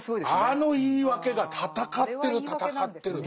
あの言い訳が戦ってる戦ってる。